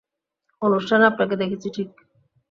অনুষ্ঠানে আপনাকে দেখেছি, ঠিক?